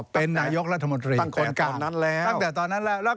เป็นนายกรัฐมนตรีตั้งแต่ตอนนั้นแล้ว